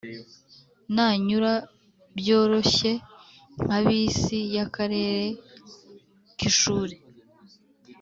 nanyura byoroshye nka bisi y'akarere k'ishuri